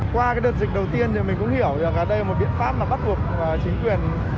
qua cái đợt dịch đầu tiên thì mình cũng hiểu rằng là đây là một biện pháp mà bắt buộc chính quyền